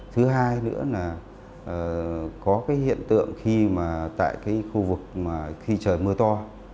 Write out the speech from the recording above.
thứ hai nữa là có hiện tượng khi trời mưa to